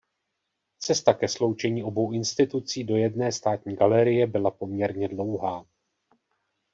Cesta ke sloučení obou institucí do jedné státní galerie byla poměrně dlouhá.